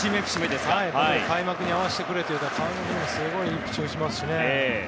開幕に合わせてるというか開幕ですごくいいピッチングをしますしね。